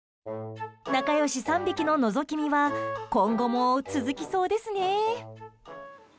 仲良し３匹の、のぞき見は今後も続きそうですね。